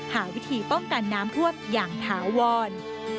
หาวิธีป้องกันน้ำท่วมอย่างถาวร